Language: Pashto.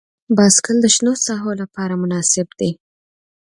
بایسکل د شنو ساحو لپاره مناسب دی.